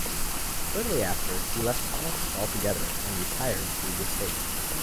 Shortly after he left politics altogether and retired to his estate.